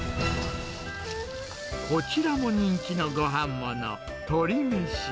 こちらも人気のごはんもの、とりめし。